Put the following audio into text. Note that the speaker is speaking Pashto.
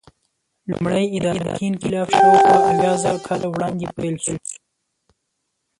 لومړی ادراکي انقلاب شاوخوا اویازره کاله وړاندې پیل شو.